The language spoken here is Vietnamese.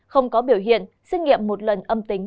không có biểu hiện xét nghiệm một lần